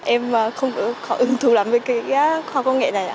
em không có ứng thú lắm với khoa công nghệ này